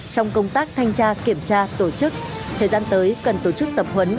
trong công tác thanh tra kiểm tra tổ chức thời gian tới cần tổ chức tập huấn